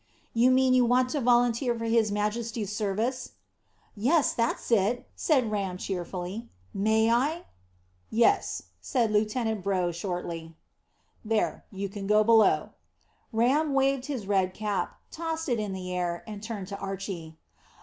"You mean you want to volunteer for His Majesty's service?" "Yes, that's it," said Ram cheerfully. "May I?" "Yes," said Lieutenant Brough shortly. "There; you can go below." Ram waved his red cap, tossed it in the air, and turned to Archy.